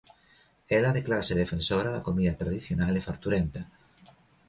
Ela declárase defensora da comida tradicional e farturenta.